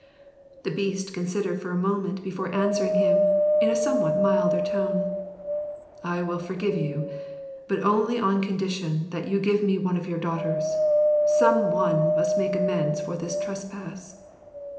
The Beast considered for a moment before answering him in a somewhat milder tone: 'I will forgive you; but only on condition that you give me one of your daughters. Some one must make amends for this trespass.'